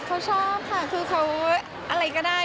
เขาชอบค่ะคือเขาอะไรก็ได้